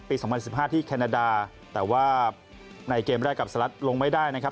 ๒๐๑๕ที่แคนาดาแต่ว่าในเกมแรกกับสลัดลงไม่ได้นะครับ